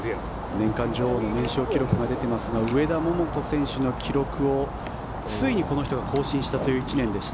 年間女王の年少記録が出ていますが上田桃子選手の記録をついにこの人が更新したという１年でした。